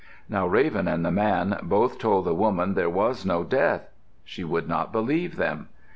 Now Raven and the man both told the woman there was no death. She would not believe them.